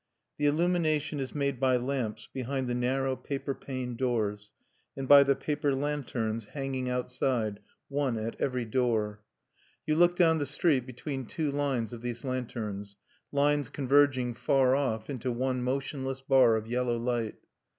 The illumination is made by lamps behind the narrow paper paned doors, and by the paper lanterns hanging outside, one at every door. You look down the street between two lines of these lanterns, lines converging far off into one motionless bar of yellow light.